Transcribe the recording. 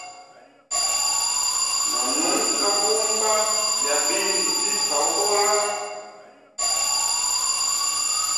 No nunka vumba lya bindu bifa ubola.